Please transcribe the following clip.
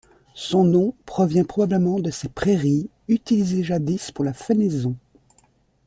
Son nom provient probablement de ses prairies, utilisées jadis pour la fenaison.